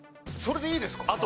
それでいいですか？